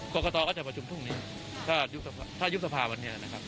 กรกตก็จะประชุมพรุ่งนี้ถ้ายุบสภาวันนี้นะครับ